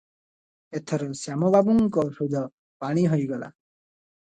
ଏଥର ଶ୍ୟାମ ବାବୁଙ୍କ ହୃଦ ପାଣି ହୋଇଗଲା ।